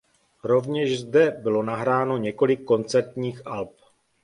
Rovněž zde bylo nahráno několik koncertních alb.